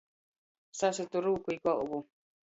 Sasytu rūku i golvu.